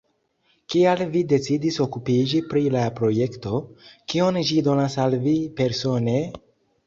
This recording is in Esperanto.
Kial vi decidis okupiĝi pri la projekto, kion ĝi donas al vi persone?